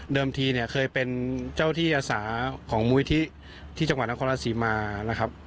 ทีเนี่ยเคยเป็นเจ้าที่อาสาของมูลิธิที่จังหวัดนครราชศรีมานะครับ